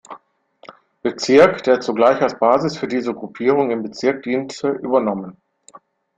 Bezirk, der zugleich als Basis für diese Gruppierung im Bezirk diente, übernommen.